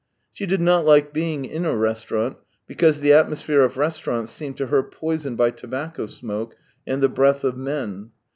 She did not like being in a restaurant, because the atmosphere of restaurants seemed to her poisoned by tobacco smoke and the breath of men.